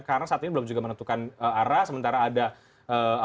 karena saat ini belum juga menentukan arah sementara ada apa namanya